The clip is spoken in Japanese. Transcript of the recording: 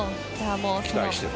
期待してる。